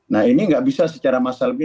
nah ini gak bisa secara masa lebih